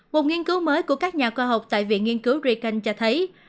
một nghiên cứu mới của các nhà khoa học tại viện nghiên cứu recan cho thấy